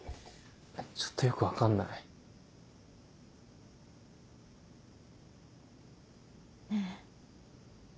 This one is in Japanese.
ちょっとよく分かんない。ねぇ。